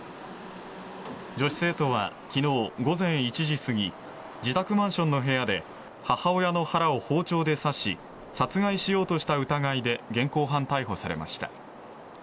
女子生徒は昨日午前１時過ぎ自宅マンションの部屋で母親の腹を包丁で刺し殺害しようとした疑いで現行犯逮捕されました。